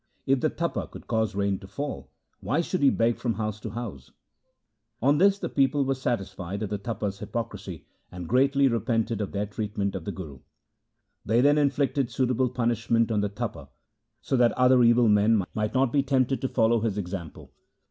If the Tapa could cause rain to fall, why should he beg from house to house ? On this the people were satisfied of the Tapa's hypocrisy, and greatly repented of their treatment of the Guru. They then inflicted suitable punishment on the Tapa, so that other evil men might not be tempted to follow his example.